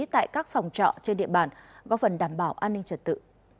tại các phòng trọ trên địa bàn góp phần đảm bảo an ninh trật tự